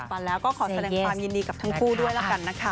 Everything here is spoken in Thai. ตอนนี้ก็เป็นเรื่องปัจจุบันแล้วก็ขอแสดงความยินดีกับทั้งคู่ด้วยแล้วกันนะคะ